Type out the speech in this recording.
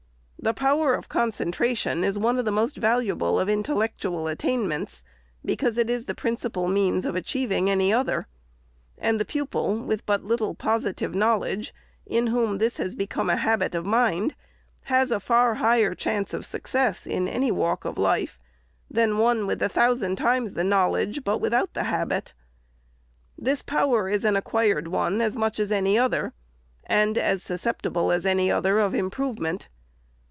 The power of concentration is one of the most valuable of intellectual attainments, because it is the principal means of achieving any other; and the pupil, with but little positive knowledge, in whom this has become a habit of mind, has a far higher chance of success in any walk of life, than one with a thousand times the knowledge, but without the habit. This power is an acquired one as much as any other, and as suscep tible as any other of improvement.